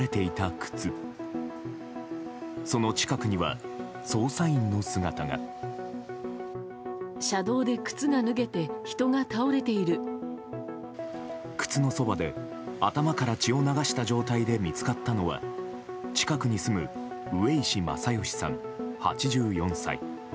靴のそばで頭から血を流した状態で見つかったのは近くに住む上石正義さん、８４歳。